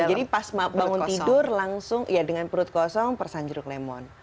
jadi pas bangun tidur langsung ya dengan perut kosong persan jeruk lemon